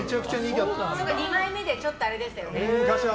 二枚目でちょっとあれでしたよね。